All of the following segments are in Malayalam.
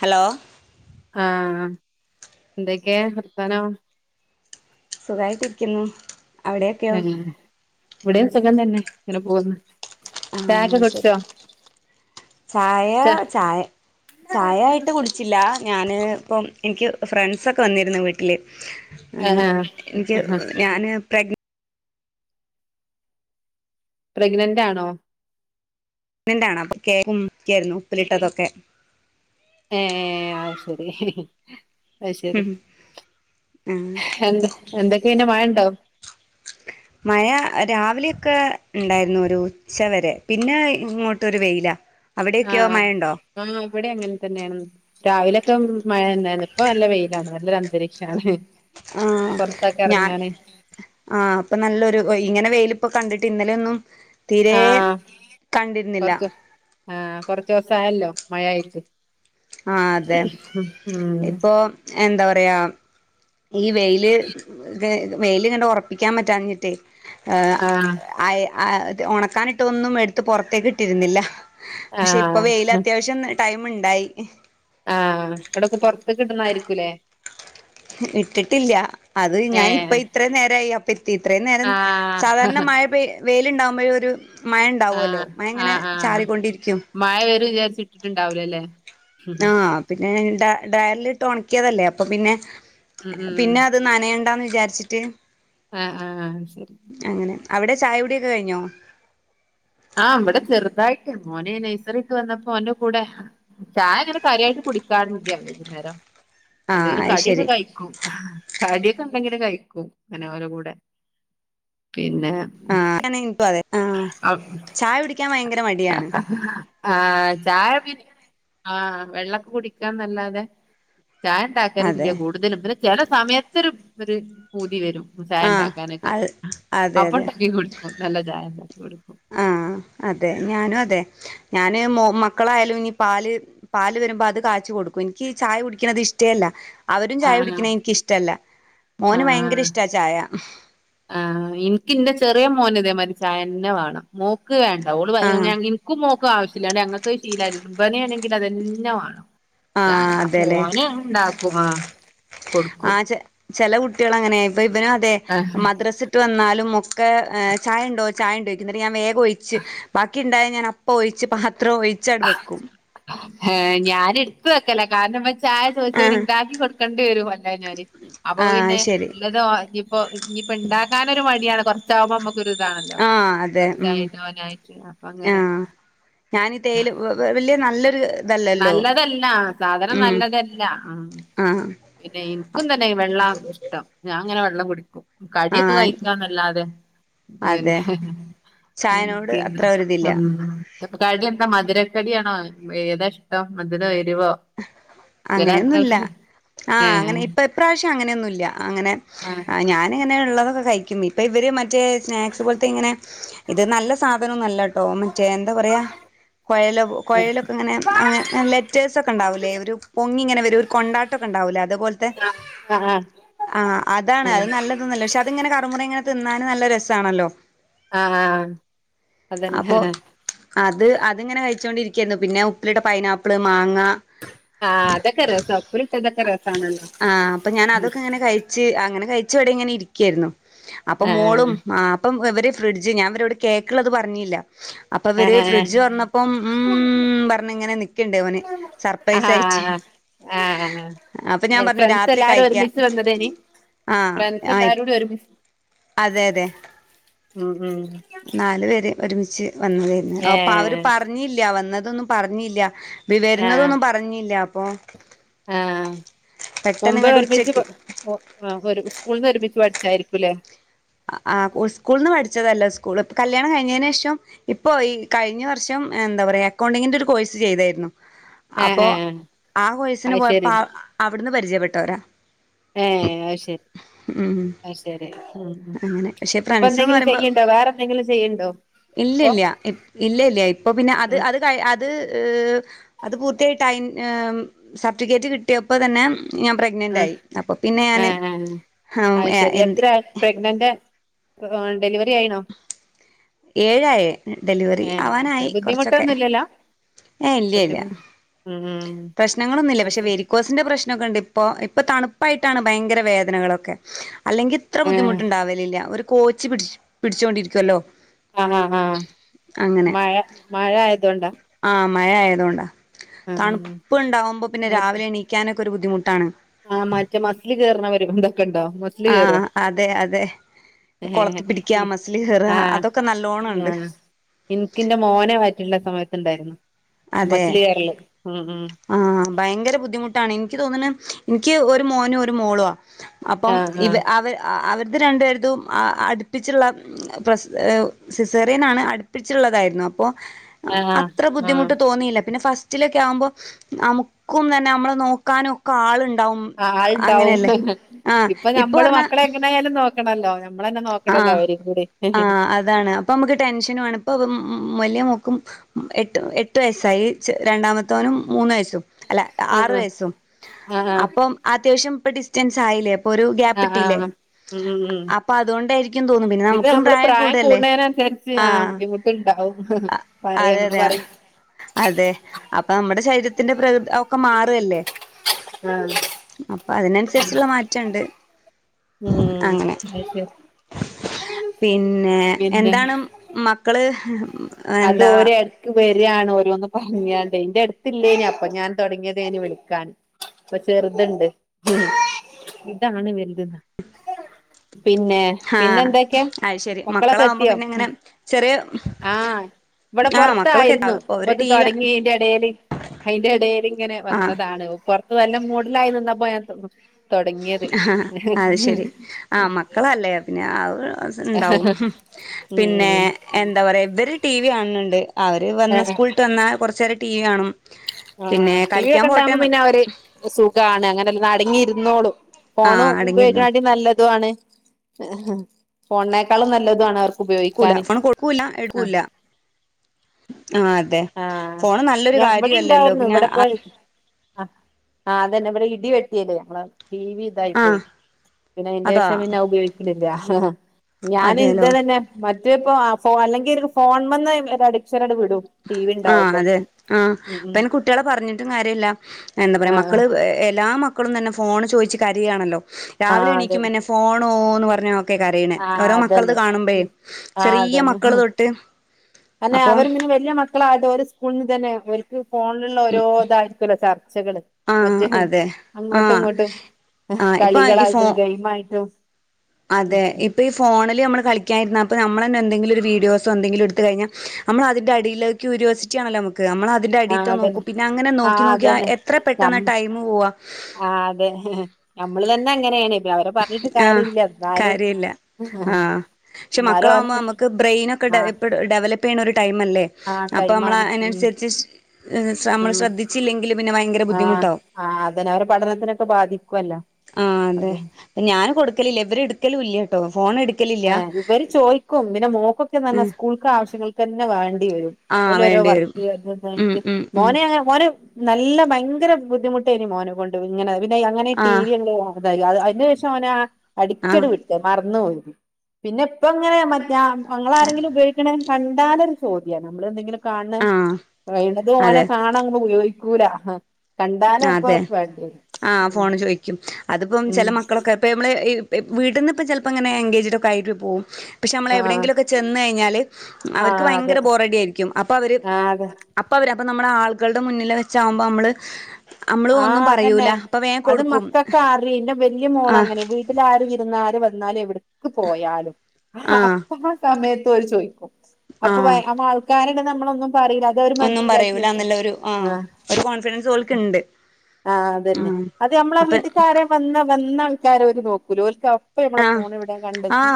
ഹലോ ആഹ എന്തൊക്കെ വർത്താനം സുഖമായിട്ടിരിക്കുന്നു അവിടെയോക്കെയോ ഇവിടെ സുഖം തന്നെ ഇങ്ങനെ പോകുന്ന് ആഹ ശരി ചായ ചാ ചായ് ചായ ആയിട്ട് കുടിച്ചില്ല ഞാന് ഇപ്പം ഇൻക്ക് ഫ്രണ്ട്സൊക്കെ വന്നിരുന്നു വീട്ടില് ആ ആഹ് ഇൻക്ക് ആഹാ ഞാന് പ്രഗ് പ്രഗ്നന്റാണോ? നന്റാണപ്പൊ കേക്കും മുക്കായിരുന്നു ഉപ്പിലിട്ടതൊക്കെ ഏ ആ ശരി അ ശരി ഉം ആഹ് എന്ത എന്തൊക്കെണ്ട് മഴണ്ടോ മഴ രാവില്യൊക്കെ ഉൺണ്ടായിരുന്നു ഒരു ഉച്ച വരെ പിന്നെ ഇങ്ങോട്ടൊരു വെയില ആഹ ആ് ഇവിടെ അങ്ങൻ തന്നെയാണ് രാവിലൊക്കെ മഴണ്ടാരുന്നു ഇപ്പൊ നല്ല വെയിലാണ് നല്ലൊരു അന്തരീക്ഷണ് ആ ഞാൻ ആ അപ്പൊ നല്ലൊരു ഇങ്ങനെ വെയില് ഇപ്പൊ കണ്ടിട്ട് ഇന്നലെ ഒന്നും തീരെ ആഹ് കണ്ടിര്ന്നില്ല കൊറച്ച് ആഹ് കൊർച്ചൂസായല്ലോ മഴ ആയിട്ട് ആ അതെ ഇപ്പൊ എന്താ പറയാ ഈ വെയില് ത് വെയിൽ കണ്ട് ഉർപ്പിക്കാൻ പറ്റാഞ്ഞിട്ടേ ഏ ആഹ് ആയ് ആ ഒണക്കാനിട്ടൊന്നും എടുത്ത് പുറത്തേക്ക് ഇട്ടിരുന്നില്ല പക്ഷെ ഇപ്പ ആഹ് വെയിലത്യാവശ്യം ടൈമിണ്ടായി ആഹ് എവിടൊക്കെ പൊർത്തിക്കിട്ടുന്നായിരിക്കൂല്ലേ ഇട്ടിട്ടില്ല അത് ഞാൻ ഇപ്പ ഏഹ് ഇത്രേം നേരായി അപ്പ എത്തി ഇത്രേം നേരം ആഹ് സാധാരണ മഴ പെ വെയിലുണ്ടാമ്പഴെ ഒരു മഴ ഇണ്ടാവൂല്ലോ ആഹ് മഴ ഇങ്ങനെ ആഹ് ആഹ് ചാറികൊണ്ടിരിക്കും മഴ വരും വിചാരിച്ചിട്ടിട്ടുണ്ടാവൂലല്ലേ ഉം ആഹ് പിന്നെ ഡ ഡയൻലിട്ട് ഒണക്ക്യേതല്ലേ അപ്പൊ പിന്നെ ഉം ഉം പിന്നെ അത് നനയണ്ടാന്ന് വിചാരിച്ചിട്ട് ആഹ് ആഹ് ശരി അങ്ങനെ അവിടെ ചായ കുടിയൊക്കെ കഴിഞ്ഞോ ആഹ് ഇവിടെ ചെർതായിട്ട് മോനെ നൈസെറിട്ട് വന്നപ്പോ ഓന്റെ കൂടെ ചായ അങ്ങനെ കാര്യായി കുടിക്കാറില്ല്യ വൈകുന്നേരം ആഹ് എന്തേലും അത് കടിയൊക്കെ ശരി കഴിക്കും കടിയൊക്കെണ്ടെങ്കില് കഴിക്കും അങ്ങനെ ഓര കൂടെ പിന്നെ ആഹ് അങ്ങനെ എനിക്കും അതെ ആഹ് ചായ കുടിക്കാൻ ഭയ്ങ്കര ആഹ് ആ ആഹ് ചായ പി ആ വെള്ളം കുടിക്കാന്നല്ലാതെ അതെ ചായണ്ടാക്കലില്ല കൂടുതലും പിന്നെ ചെല സമയത്തൊരു ഒരു പൂതി വരും ആഹ് ചായണ്ടാക്കാനൊക്കെ അത് അതെ അതെ അപ്പണ്ടാക്കി കുടിക്കും നല്ല ചായ കുടിക്കും ആഹ് അതെ ഞാനും അതെ ഞാന് മൊ മക്കളായാലും ഇനി പാല് പാല് വരുമ്പോ അത് കാച്ചി കൊടുക്കും ഇൻക്ക് ചായ കുടിക്ക്ണത് ഇഷ്ടേല്ല അവരും ചായ ആഹ് കുടിക്കണ ഇൻക്കിഷ്ടല്ല മോന് ഭയാങ്കര ആഹ് ഇഷ്ടാ ചായ ആഹ് ഇൻക്കിന്റെ ചെറ്യേ മോൻ ഇതേ മാരി ചായെന്നെ വാണം മോക് വേണ്ട ഓള് ആഹ് [unintelligible] ഇൻക്കും മോക്കും ആവശ്യല്ലാ ഞങ്ങക്ക് ശീലാ ബന് ആണെങ്കിൽ അതന്നെ വാണം ആഹ് ആ അതെല്ലേ പോനെ ഇണ്ടാക്കും ആ കൊടുക്കും ചെ ചെല കുട്ട്യാൾ അങ്ങനെയ ഇപ്പൊ ഇബനും അതെ ആഹ് മദ്രസിട്ട് വന്നാലും ഒക്കെ ഏ ചായണ്ടോ ചായണ്ടോയ്ക്കും എന്നിട്ട് ഞാൻ വേഗൊയിച്ച് ബാക്കിണ്ടായ ഞാനപ്പോയിച്ച് പ എത്ര ഒഴിച്ചടു വെക്കും ത്ത്ക്കല കാരണം ചായ ചോദിച്ചവന് ഇണ്ടാക്കി കൊടുക്കേണ്ടി വരും അല്ലവര് അപ്പൊ ആഹ് പിന്നെ ശരി ഇള്ളത് ഇപ്പൊ ഇനിപ്പണ്ടാക്കാനൊര് മട്യായാണ് കൊർച്ചാകുമ്പോ മ ക്കൊരു ഇതാണല്ലോ ആഹ് അതെ ഉം [unintelligible] അപ്പൊ അങ്ങനെ തേൽ വെ വെല്ല്യെ നല്ലൊരു ഇതല്ലല്ലോ നല്ലതല്ല സാധനം ഉം നല്ലതല്ല ആ ആഹ് പിന്നെ ഇൻക്കും തന്നെ വെള്ളം ഇഷ്ടം ഞാൻ ഇങ്ങനെ വെള്ളം കുടിക്കും കടിയൊക്കെ ആഹ് കഴിക്കാന്നല്ലാതെ അതെ പിന്നെ ഉം ചായനോട് പിന്നെ അത്ര ഒരിതില്ല ഉം കടി എന്താ മധുരക്കടിയാണോ ഏതാ ഇഷ്ടം മധുരോ എരിവോ ചില അങ്ങനെയൊന്നുല്ല ആൾക്കാർക്ക് ആഹ് ഏഹ് അങ്ങനെ ഇപ്പ ഇപ്രാവശ് അങ്ങനെയൊന്നുല്ല അങ്ങനെ ആ ആഹ് ഞാനിങ്ങനെ ഉള്ളതൊക്കെ കഴിക്കും ഇപ്പൊ ഇവര് മ റ്റേ സ്നാക്സ് പോലത്തെ ഇങ്ങനെ ഇത് നല്ല സാധനൊനല്ല ട്ടോ മറ്റേ എന്താ പറയാ കൊഴല കുഴലൊക്കെ ഇങ്ങനെ ലെറ്റ ണ്ടാവുലെ ഒരു പൊങ്ങി ഇങ്ങനെ വരും ഒരു കൊണ്ടാട്ടൊക്കെ ഉണ്ടാവുല്ലേ അ ത് പോൽത്തേ ആ ആ ആ അതാണ് അത് നല്ലതൊന്നല്ല പക്ഷെ അത്ങ്ങനെ കറുമുറെ ങ്ങനെ തിന്നാന് നല്ല രസാണല്ലോ ആ ആ അതന്നെ അപ്പൊ അത് അത്ങ്ങനെ കഴിച്ചോണ്ടിരി കേന്ന് പിന്നെ ഉപ്പിലിട്ട പൈനാപ്പിള് മാങ്ങ ആഹ് അതൊക്കെ രസ ഉപ്പുല്ട്ടതൊക്കെ രസ ആഹ് അപ്പൊ ഞാൻ അതൊക്കെ ഇങ്ങനെ കഴിച്ച് അങ്ങനെ കഴിച്ച് ഇവിടെ ഇങ്ങനെ ഇരിക്കേര്ന്നു അപ്പൊ ആ മോളും ആ അപ്പം ഇവര് ഫ്രിഡ്ജ് ഞാൻ ഇവരോട് കേക്ക്ള്ളത് പറഞ്ഞില്ല അപ്പൊ ഇവര് ഫ്രിഡ്ജ് ആ തൊറന്നപ്പം ഉം പറഞ്ഞ് ഇങ്ങനെ നിക്ക്ണ്ട് ഓന് സർപ്രൈസ് ആയി ആഹ് ആഹ് ഞാൻ ഏ പറഞ്ഞു ഫ്രണ്ട്സ് രാത്രി എല്ലാരും കഴിക്കാം ഒരുമിച്ച് വന്നതേന്നി ആഹ് ഫ്രണ്ട്സ് ആഹ് എല്ലാരൂടി ഒരുമിച്ച് അതെ അതെ ഉം ഉം നാലു പേര് ഒരുമിച്ച് വന്നതായിരുന്നു ഏ അപ്പൊ അവര് പറഞ്ഞില്ല വന്ന തൊന്നും പറഞ്ഞില്ല വരുന്നതൊന്നും പറഞ്ഞില്ല അപ്പൊ ആഹ് പെട്ടെന്ന് മുമ്പ് ഇങ്ങട്ട് ഒരുമിച്ച് പ ഉച്ചക്ക് ആഹ് ഒരു സ്കൂളിൽന്ന് ഒരുമിച്ച് പഠി ച്ചായിരിക്കൂല്ലേ ആ സ്കൂളിൽന്ന് പഠിച്ചതല്ല സ്കൂൾ ഇപോ കല്യാണം കഴിഞ്ഞീനേഷം ഇപ്പൊ ഈ കഴിഞ്ഞ വർഷം എന്താ പറയാ അക്കൗണ്ടിങ്ങിന്റെ ഒരു കോഴ്സ് ചെയ്തായിരുന്നു ഏ അപ്പൊ ഏ ആ കോഴ്സിന് അത് പോയപ്പോ ശരി ആ അവിടുന്ന് പരിചയപ്പെട്ടോരാ ഏ അത് ശരി അ ശരി ഉം അങ്ങനെ പക്ഷെ ഇപ്പൊ ഫ്രണ്ട്സ്ന്ന് എന്തെങ്കിലും പറയുമ്പോ ചെയ്യ്ണ്ടോ വേറെ എന്തെങ്കിലും ചെയ്യ്ണ്ടോ ഇല്ല ഇല്ല ഇല്ല ഇല്ല ഇപ്പൊ പിന്നെ അത് ഉം അത് കഴി അ ത് അത് പൂർത്തിയായിട്ട് അയ് ഏഹ് സർട്ടിഫിക്കറ്റ് കിട്ടിയപ്പോ തന്നെ ഞാൻ പ്രഗ്നൻ്റ് ആ ആയി അപ്പൊ പിന്നെ ഞാന് ആഹ് ആഹ് ഹാ അത് ശരി എന്ത് എത്ര പ്രഗ്നന്റ് ഏഹ് ഡെലിവറി ആയിണോ ഏഴായേ ഡെലിവറി ഏഹ് ആവാനായി കുറച്ചൊക്കെ ബുദ്ധിമുട്ടൊന്നും ഇല്ലല്ലോ [unintelligible] ഉം പ്രശ്നങ്ങളൊന്നുല്ല അത് പക്ഷെ ശരി. വേരിക്കോസിന്റെ പ്ര ശ്നൊക്കെ ഇണ്ട് ഇപ്പൊ ഇപ്പൊ തണുപ്പായിട്ടാണ് ഭയങ്കര വേദനകളൊക്കെ അല്ലെങ്കി ഇത്ര ഏഹ് ബുദ്ധിമുട്ടുണ്ടാവലില്ല ഒരു കോച്ച് പിടിച്ച് പിടിച്ചോണ്ടിരിക്കുവല്ലോ ആഹ് ആഹ് ആഹ് അങ്ങനെ മഴ മഴ ആയതോണ്ടാ ആ മഴ ആയതുകൊണ്ടാ ആ ആ ആ ഇപ്പൊ ണ്ടാവുമ്പോ പിന്നെ രാവിലെ എണിക്കാനൊക്ക ഒരു ബുദ്ധിമു ആഹ് മറ്റേ മസില് കേർണെ [unintelligible] ന്തൊക്കെണ്ടോ മസില് ആ കേറോ അതെ അതെ ആഹ് കൊളത്തി പിടിക്കുക മസിൽ കയറുക അതൊക്കെ നല്ലോണം ഉണ്ട് ആഹ് ഇൻക്ക്ന്റെ മോനെ വയറ്റില്ള്ള സമയത്തുണ്ടായിരുന്നു അതെ മസില് കേറല് ഉം ഉം ആഹ് ഭയങ്കര ബുദ്ധിമുട്ടാണ് ഇൻക്ക് തോന്ന്ണ് ഇൻക്ക് ഒരു മോനും ഒരു മോളുആ അപ്പം ആഹ് ഇവ ആഹ് അവർ അവർ ത് രണ്ടേരതും അ അടുപ്പിച്ചുള്ള പ്രസ് ഏഹ് സിസേറിയനാണ് അടുപ്പിച്ചുള്ളതായിരുന്നു അ അപ്പോ ആഹ് അത്ര ആഹ് ബുദ്ധിമുട്ട് ല്ല പിന്നെ ഫസ്റ്റിലൊക്കെ ആവുമ്പോ നമുക്കും തന്നെ നമ്മള് നോക്കാനും ഒക്കെ ആളു ണ്ടാവും ആ ആള്ണ്ടാവും അങ്ങനെയല്ലേ ആഹ് ഇപ്പൊ നമ്മള് പറഞ്ഞ മക്കളെ എങ്ങനായാലും നോക്കണല്ലോ നമ്മളന്നെ ആ നോക്കണല്ലോ അവരും കൂടി ആ അതാണ് അപ്പൊ നമുക്ക് ടെൻഷനും ആണ് ഇപ്പ വല്യ ക്കും എട്ട് വയസ്സായി രണ്ടാമത്തവനും മൂന്ന് വയസ്സും അല്ല ആ ആറു വയസ്സും ആ അപ്പം അത്യാവശ്യം ഇപ്പ ഡിസ്റ്റൻസ് ആയില്ലേ അപ്പൊ ഒരു ആ ഗ്യാപ്പ് ആ ഇട്ടില്ലേ ഉം ഉം അപ്പൊ അതുകൊണ്ടായിരിക്കും തോന്നും പിന്നെ ഇത് നമുക്കും നമ്മള് പ്രായം കൂടല്ലേ കൂടുന്നതിനന് അനുസരിച്ച് ആ ആഹ് ബുദ്ധിമുട്ടുണ്ടാവും പറ അതെ അങ്ങനെ അതെ പറയും അതെ അപ്പൊ നമ്മുടെ ശരീരത്തി ത്തിന്റെ പ്രകൃതി ഒക്കെ മാറല്ലേ ആ അപ്പൊ അതിനനുസരിച്ചുള്ള മാറ്റമുണ്ട് ഉം അത് ശരി പിന്നെ പിന്നെ എന്താണ് മക്കള് അത് എന്താ ഓരേടക്ക് വ രാണ് ഓരോും പറഞ്ഞ എന്റെ അടുത്ത്ല്ലേനി അപ്പ ഞാൻ തുടങ്ങിയത് വിളിക്കാണ് ചെറു തുണ്ട് ഇതാണ് വലുത പിന്നെ പിന്നെ ആഹ് എന്തൊക്കെയാ അത് ശരി മക്കളൊക്കെ മക്കളാവുമ്പോ എത്തിയോ പിന്നെ ഇങ്ങനെ ചെറിയ ആഹ് ഇവിടെ ആഹ് മക്കളൊക്കെ എത്താ പുറത്തായിരുന്നു അപ്പൊ ഒരു അത് ടി വി തുടങ്ങിന്റെ ഇടൽ അതിന്റെ ഇടൽ ഇങ്ങനെ ആഹ് വന്നതാണ് പുറത്ത് വല്ലാം മൂടിലായി നിന്നാപ്പോ ഞ ആഹ അത് ശരി ആഹ മക്കളല്ലേ പിന്നെ ആ ഉണ്ടാവും പിന്നെ ഉം എന്താ പറയാ ഇവര് ടി വി കാണുന്നുണ്ട് അവർ വന്ന് ആഹ് സ്കൂളിട്ട് വന്നാൽ കുറച്ച നേരം ടി വി കാണും ആ പിന്നെ ടി വി കളിക്കാൻ ഒക്കെ ഉണ്ടകുമ്പോ പോട്ടെന്ന് പിന്നെ അവര് സുഖാണ് അങ്ങനെല്ല അടങ്ങിയിരുന്നോളും ഫോണ് ആഹ് അടങ്ങിയിരുന്നോ ഉപയോഗിക്കൻണ്ട നല്ലതണ് ഫോണിനേക്കാളും നല്ലതണ് അവർക്ക് ക്കൂല ഉപയോഗിക്കാന് ഫോൺ കൊടുക്കൂല്ല ആഹ് എടുക്കൂല്ല ആ അതെ ആഹ് ഫോണ് നല്ലൊരു കാര്യല്ലല്ലോ പിന്നെ ആ ആ അതന്നെ ഇവിടെ ഇടി വെട്ടിയല്ലേ ഞമ്മള ടി വി ഇതായി പോയി ആഹ് പിന്നെ അന്റെ അതാ ശേഷം പിന്നെ ഉപയോഗിക്കുന്നില്ല ഞാൻ ഇത അതേലോ തന്നെ മ ഇത് പ്പ അല്ലെങ്കിൽ ഫോൺ വന്ന് അഡക്ഷരട് വിടും ടി വി ആഹ ഉണ്ടാവുമ്പോ അതെ ആഹ ഉം ഉം അപ്പന്നെ കുട്ടികളെ പറഞ്ഞിട്ടും കാര്യമില്ല എന്താ പറയാ ആഹ് ആഹ് മക്കള് എല്ലാ മക്കളും തന്നെ ഫോൺ ചോദിച്ച് കരുകയാണല്ലോ ആഹ് രാവിലെ അതെ എണീക്കുമ്പന്നെ ഫോണോന്ന് പറഞ്ഞ ഒക്കെ കരയണ ആഹ് ഓരോ മക്കളത് അതന്നെ കാണുമ്പ ഉം ചെറിയ മക്കള് തൊട്ട് തന്നെ അപ്പം അവർ പിന്നെവലിയ മക്കളായിട്ട് ഒരു സ്കൂളി നിന്ന് തന്നെ അവർക്ക് ഫോണിലുള്ള ഓരോ ഇതായിരിക്കല്ലോ ചർച്ചകള് ആഹ് മറ്റേ അതെ അങ്ങോട്ടും ആഹ് ഇങ്ങോട്ടും ആഹ് ഇപ്പൊ ഈ ഫോ കളികളായിട്ടും ഗെയിം ആയിട്ടും അതെ ഇപ്പൊ ഈ ഫോണ നമ്മൾ കളിക്കാനിരുന്നഅപ്പ നമ്മളന്നെ എന്തെിലും ഒരു വീഡിയോസോ എന്തെങ്കിലുംഎടുത്ത് കഴിഞ്ഞാ നമ്മ അതിന്റെ അടിയിരിസിറ്റി ആണല്ലോ ന നമ്മള അതിന്റെ ആഹ് അടിീത്ത അതന്നെ നോക്കും പിന്നെ അങ്ങനെ നോക്കി ആഹ് നോക്കിാ അതന്നെ എത്ര പെട്ടെന്ന് ഞമ്മ ടൈമ പോവാ ആഹ് അതെ നമ്മള് തന്നെ അങ്ങനെയാണ് ഇപ്പ അവരെ പറഞ്ഞിട്ട് കാര്യം ഇില്ല എന്നാലും ആ പക്ഷെ എന്നാലും മക്കളാകുമ്പോ ഓന് നമുക്ക് ബ്രെയിൻ ഒക്കെ ആഹ് ഡെവലപ്പ് ചെയ്യണ ടൈമല്ലേ അപ്പോൾ നമ്മൾ അതിനനുസരിച്ച് ഉ ഭയങ്കര ആഹ ബുദ്ധിമുട്ടാവും. ആ അതെ അവരെ പഠനത്തിനൊക്കെ ബാധിക്കുവല്ലോ അതെ ഞാൻ കൊടുക്കലില്ല ഇവര് എടുക്കലും ഇല്ല കേട്ടോ ആ ഇവര് ചോയ്ിക്കും പിന്നെ മോക്കൊക്കെന്നാൽ ഉം സ്കൂൾക്ക് ആവശ്യങ്ങൾക്ക് തന്നെ വേണ്ടി വരും ആഹ് വേണ്ടി വരും. വർക്ക് ഉം എനിക്ക് ഉം ഉം മോനെ മോന നല്ല ഭയങ്കര ബുദ്ധിമുട്ടേനി മോനെ കൊണ്ട്ു ഇങ്ങനെ പിന്നെ അങ്ങനെ ടി ആഹ് വി എങ്ങ അത അതിന് ശേഷം അവന ആഹ് അടിച്ചടി വിട്ട് മറന്നു പോ പിന്നെ ഇപ്പ ഇങ്ങനെയ മറ്റേ മങ്ങാരങ്കിലും ഉപയോഗിക്കണേ കണ്ടാലരു ചോദ്യിയാ നമ്മൾ എന്തെങ്കിലും ആഹ് കാണ്ണത് നെ അതെ കാണാങ്ങ ഉപയോഗിക്കൂല കണ്ടാന അപ്പൊ അതെ വേണ്ട ആഹ് ഉ ഫോണ് ചോദിക്കും അതിപ്പം ചില മക്കളൊക്കെ ഇപ്പ നമ്മ വീട്ടിൽന്ന ഇപ്പ ചിലപ്പോ ഇങ്ങനെ എൻഗേജ്ഡ് ഒക്കെ ആയിട്ട് പോകും പക്ഷെ നമ്മള ആഹ് എവിടെയെങ്കിലും ഒക്കെ ചെന്ന് കഴിഞ്ഞാല് അവർക്ക് ആഹ് അതെ ഭയങ്കര ബോറഡ ആയിരിക്കും അപ്പൊ അവര് ആഹ് അതെ അപ്പൊ അവര് അപ്പൊ നമ്മള ആളുകളുടെ മുന്നില് വെച്ചാവുമ്പോ നമ്മള് നമ്മള് ആ ഒന്നും അതന്നെ പറയൂല അപ്പൊ വേഗം അത് കൊടുക്കും മക്കൊക്കെ ആറി ഇന്റെ വലിയ ആഹ് മോളങ്ങനെ വീട്ടില ആര് വിരുന്നാര് എന്നാല് എവിടക്ക് പോയാലും ആഹ് അപ്പൊ ആ സമയത്ത്ര് ചോദിക്കും അപ്പൊ വ ആഹ് ആൾക്കാരുടെ എടുന്ന് നമ്മളൊന്നും പറീല അത അവര് ഒന്നും മനസ്സിലാക്കി പറയൂല വെച്ച എന്നുള്ള ഒരു ആഹ് ആ ഒരു കോൺഫിഡൻസ് ഓൽക്ക് ഉണ്ട് ആ അതന്നെ ഉം അത് നമ്മളെ അപ്പൊ വീട്ടക്കാരെ വന്ന വന്ന ആൾക്കാരെ ഓര് നോക്കൂല അപ്പ നമ്മളെ ആഹ് ഫോൺ എവിടെ ആ കണ്ടെത്തി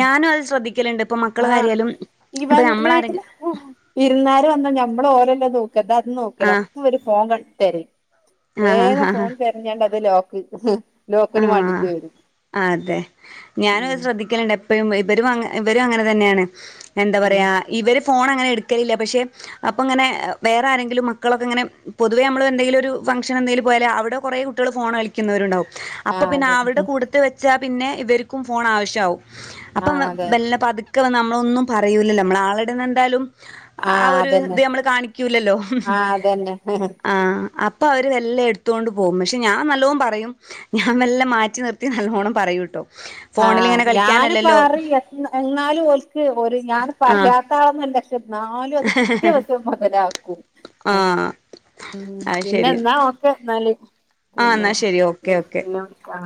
ഞാനും അത് ശ്രദ്ധിക്കലുണ്ട് ഇപ്പൊ മക്കള് കാര്യാലും ഈ വ വീട്ടില് ഇരുന്നാര് വന്ന ഞ നമ്മള് ഓലല്ല നോക്കാ താ അത് നോക്കല്ല ആഹ് അപ്പൊ ഓര് ഫോൺ ക തെരിം വേഗ ആഹ് ഫോൺ തെരഞ്ഞേണ്ടത് ലോക്ക് ആ ലോക്കിന് വാണ്ടിട്ട് വരും അതെ ഞാനും ഉം അത് ശ്രദ്ധിക്കലുണ്ട് എപ്പോഴും ഇ ഇവരും അങ്ങനെ ഇവരും അങ്ങനെ തന്നെയാണ് എന്താ ഉം പറയാ ഇവര് ഫോൺ അങ്ങനെ എടുക്കലില്ല പക്ഷെ അപ്പൾ ഇങ്ങനെ വേറെ ആരെങ്കിലും മക്കളൊക്കെ ഇങ്ങനെ പൊതുവേ നമ്മൾ എന്തെങ്കിലുമൊക്കെ ഒരു ഫങ്ങ്ഷന് എന്തേങ്കും പോയാല് അവിടെ കുറേ കുട്ടികൾ ഫോൺ കളിക്കുന്നവരുണ്ടാവും അപ്പ ആഹ് പിന്നെ അതെ അവരുടെ കൂടെത്ത് വെച്ചാൽ പിന്നെ ഇവർക്കും ഫോൺ ആവശ്യമാവും അപ്പം ആഹ് മെ അതെ ബെല്ലെ പത് ക്കെ വന്ന് നമ്മളൊന്നും പറയൂലല്ലോ നമ്മള ആളെടിന്ന് എന്തായാലും ആ ആഹ് ഒരു അതന്നെ ഇത് നമ്മള് കാണിക്കൂല്ലല്ലോ ആഹ് അതന്നെ ആ അപ്പൊ അപ്പൊ അവര് വല്ലെ എടുത്തോണ്ട് പോകും പക്ഷെ ഞാൻ നല്ലോം പറയും ഞാൻെ മെല്ലെ മാറ്റി നിർത്തി നല്ലോണം പറയുട്ടോ ആ ഞാന് പറി എന്നാലും ഓൽക്ക് ഒരു ഞാൻ ആഹ് പറയാത്ത ആളൊന്നും [unintelligible] ന്നാലും അത് കിട്ടിയ അവസരം മൊതലാക്കും ആഹ് ഉം അത് പിന്നെ ശരി. ന്നാ ഓക്കെ ന്നാല് ആഹ് പിന്നെ എന്നാ ശരി ഓക്കെ ഓക്കെ. പിന്നെ വിളിക്കാ